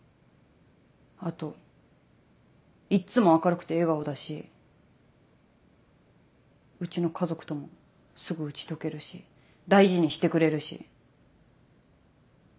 あといっつも明るくて笑顔だしうちの家族ともすぐ打ち解けるし大事にしてくれるし。